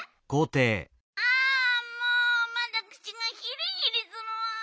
あもうまだくちがヒリヒリするわ。